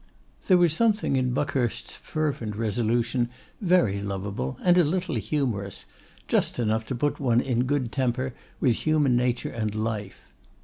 There was something in Buckhurst's fervent resolution very lovable and a little humorous, just enough to put one in good temper with human nature and life.